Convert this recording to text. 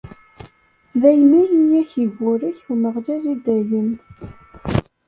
Daymi i ak-iburek Umeɣlal i dayem.